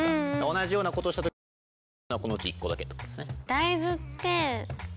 同じようなことをした時に糸を引くようになるのはこのうち一個だけってことですね。